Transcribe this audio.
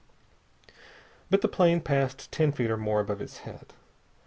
But the plane passed ten feet or more above his head.